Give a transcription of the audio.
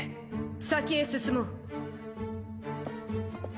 先へ進もう。